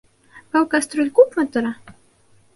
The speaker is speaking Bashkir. Был кәстрүл күпме тора?